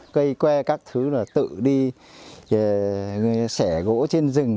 cây que các thứ tự đi sẻ gỗ trên rừng